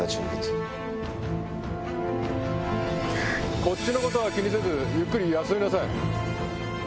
こっちのことは気にせずゆっくり休みなさい。